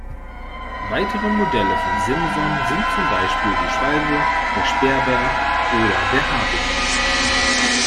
Weitere Modelle von Simson sind zum Beispiel die Schwalbe, der Sperber oder der Habicht.